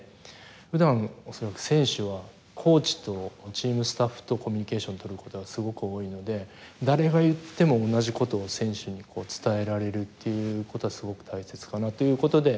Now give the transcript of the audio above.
ふだん、恐らく選手はコーチとチームスタッフとコミュニケーションをとることがすごく多いので誰が言っても同じことを選手に伝えられるということはすごく大切かなということで。